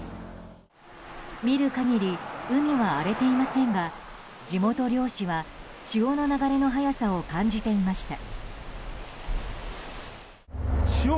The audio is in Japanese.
見る限り海は荒れていませんが地元漁師は潮の流れの早さを感じていました。